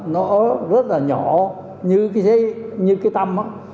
nó rất là nhỏ như cái tâm á